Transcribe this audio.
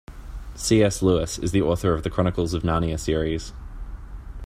C.S. Lewis is the author of The Chronicles of Narnia series.